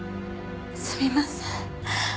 すみません。